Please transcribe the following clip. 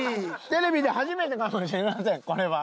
テレビで初めてかもしれませんこれは。